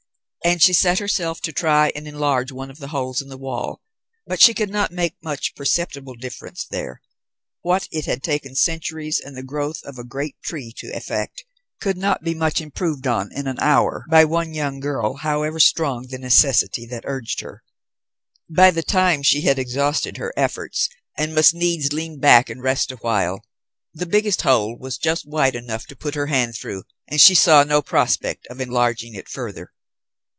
And she set herself to try and enlarge one of the holes in the wall; but she could not make much perceptible difference there. What it had taken centuries, and the growth of a great tree to effect, could not be much improved on in an hour by one young girl, however strong the necessity that urged her. By the time she had exhausted her efforts and must needs lean back and rest awhile, the biggest hole was just wide enough to put her hand through, and she saw no prospect of enlarging it further.